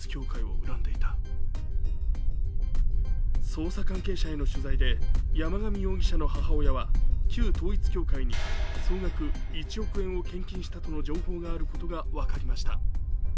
捜査関係者への取材で、山上容疑者の母親は旧統一教会に総額１億円を献金したとの情報があることが分かりました。